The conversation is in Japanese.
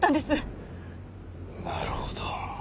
なるほど。